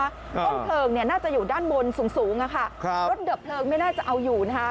ต้นเพลิงเนี่ยน่าจะอยู่ด้านบนสูงสูงอะค่ะครับรถดับเพลิงไม่น่าจะเอาอยู่นะคะ